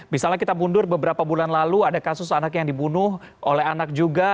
misalnya kita mundur beberapa bulan lalu ada kasus anak yang dibunuh oleh anak juga